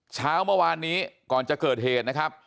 เช้าเมื่อวานนี้ก่อนจะเกิดเหตุนะครับ